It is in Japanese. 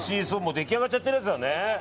できあがっちゃってるやつだね。